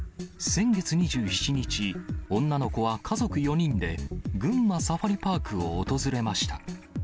先月２７日、女の子は家族４人で、群馬サファリパークを訪れました。